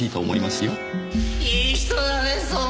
いい人だねソン